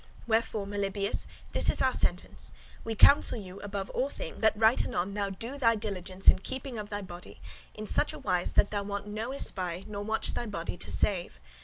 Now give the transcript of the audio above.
Wherefore, Melibœus, this is our sentence [opinion]; we counsel you, above all things, that right anon thou do thy diligence in keeping of thy body, in such a wise that thou want no espy nor watch thy body to save.